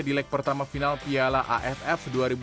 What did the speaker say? di leg pertama final piala aff dua ribu dua puluh